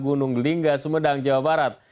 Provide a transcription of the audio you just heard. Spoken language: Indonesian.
gunung lingga sumedang jawa barat